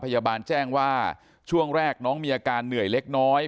พยาบาลแจ้งว่าช่วงแรกน้องมีอาการเหนื่อยเล็กน้อย